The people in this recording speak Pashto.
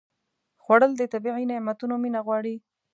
خوړل د طبیعي نعمتونو مینه غواړي